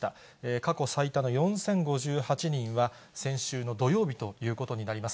過去最多の４０５８人は、先週の土曜日ということになります。